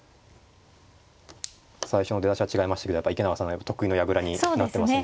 最初の出だしは違いましたけどやっぱり池永さんが得意の矢倉になってますね。